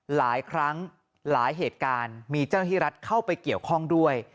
หลายครั้งหลายเหตุการณ์มีเจ้าหน้าที่รัฐเข้าไปเกี่ยวข้องด้วย